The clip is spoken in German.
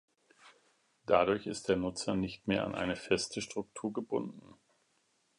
Dadurch ist der Nutzer nicht mehr an eine feste Struktur gebunden.